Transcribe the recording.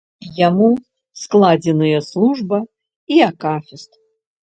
Яму складзеныя служба і акафіст.